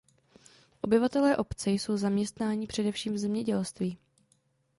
Obyvatelé obce jsou zaměstnání především v zemědělství.